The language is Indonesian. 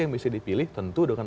yang bisa dipilih tentu dengan